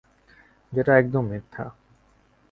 যেটা একদম মিথ্যা।